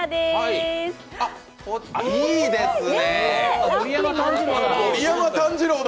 いいですね。